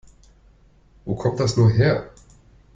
Wo kommt das nur her?